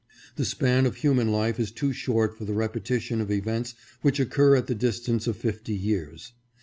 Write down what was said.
The span of human life is too short for the repetition of events which occur at the distance of fifty years.